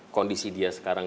kondisi dia sekarang